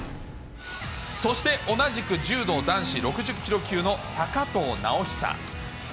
そして同じく柔道男子６０キロ級の高藤直寿。